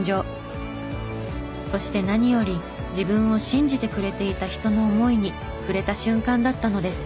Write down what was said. そして何より自分を信じてくれていた人の思いに触れた瞬間だったのです。